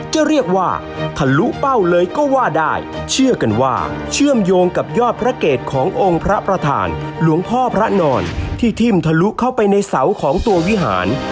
จะเรียกว่าทะลุเป้าเลยก็ว่าได้เชื่อกันว่าเชื่อมโยงกับยอดพระเกตขององค์พระประธานหลวงพ่อพระนอนที่ทิ่มทะลุเข้าไปในเสาของตัววิหาร